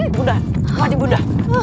ibu bunda mati ibu bunda